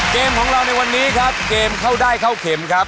เกมของเราในวันนี้ครับเกมเข้าได้เข้าเข็มครับ